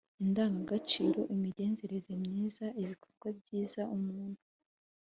indangagaciro, imigenzereze myiza, ibikorwa byiza umuntu